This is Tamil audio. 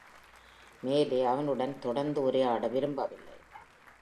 மேலே அவனுடன் தொடர்ந்து உரையாட விரும்பவில்லை.